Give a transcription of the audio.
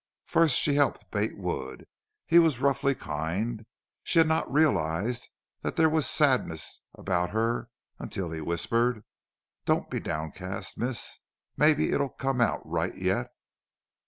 First she helped Bate Wood. He was roughly kind. She had not realized that there was sadness about her until he whispered: "Don't be downcast, miss. Mebbe it'll come out right yet!"